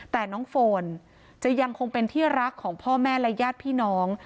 แต่น้องโฟนจะยังคงเป็นที่รักของพ่อแม่และญาติพี่น้อง